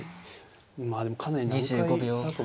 まあでもかなり難解だと思いますね